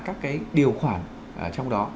các điều khoản trong đó